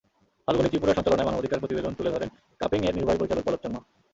ফাল্গুনী ত্রিপুরার সঞ্চালনায় মানবাধিকার প্রতিবেদন তুলে ধরেন কাপেংয়ের নির্বাহী পরিচালক পল্লব চাকমা।